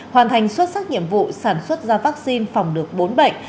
hoàn thành xuất sắc nhiệm vụ sản xuất ra vaccine phòng được bốn bệnh